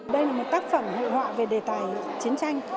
đây là một tác phẩm hội họa về đề tài chiến tranh